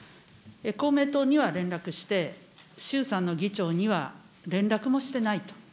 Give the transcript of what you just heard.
公明党には連絡して、衆参の議長には連絡もしてないと。